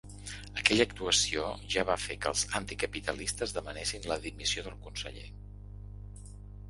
Aquella actuació ja va fer que els anticapitalistes demanessin la dimissió del conseller.